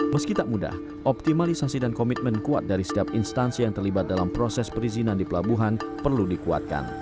meski tak mudah optimalisasi dan komitmen kuat dari setiap instansi yang terlibat dalam proses perizinan di pelabuhan perlu dikuatkan